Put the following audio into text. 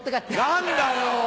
何だよ！